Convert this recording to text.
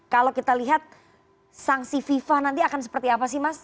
kalau kita lihat sanksi fifa nanti akan seperti apa sih mas